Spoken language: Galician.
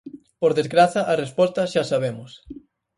Por desgraza, a resposta xa a sabemos.